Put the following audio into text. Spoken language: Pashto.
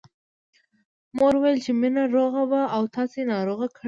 مور وويل چې مينه روغه وه او تاسې ناروغه کړه